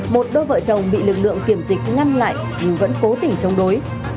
một đôi vợ chồng bị lực lượng kiểm dịch ngăn lại nhưng vẫn cố tình chống đối